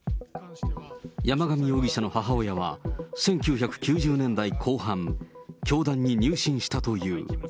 山上容疑者の母親は、１９９０年代後半、教団に入信したという。